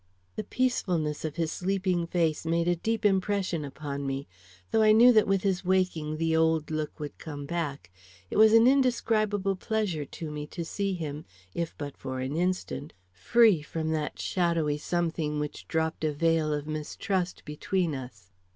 The peacefulness of his sleeping face made a deep impression upon me. Though I knew that with his waking the old look would come back, it was an indescribable pleasure to me to see him, if but for an instant, free from that shadowy something which dropped a vail of mistrust between us.